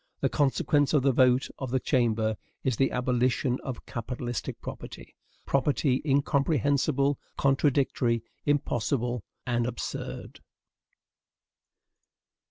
The consequence of the vote of the Chamber is the abolition of capitalistic property, property incomprehensible, contradictory, impossible, and absurd.